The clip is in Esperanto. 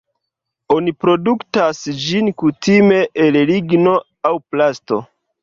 Oni produktas ĝin kutime el ligno aŭ plasto.